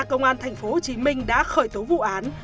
công an tp hcm đã khởi tố vụ án